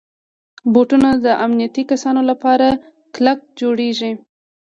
بوټونه د امنیتي کسانو لپاره کلک جوړېږي.